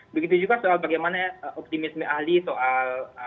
begitu juga soal bagaimana optimisme ahli soal